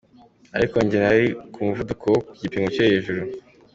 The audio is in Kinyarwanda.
ariko njye nari kumuvuduko wo ku gipimo cyo hejuru.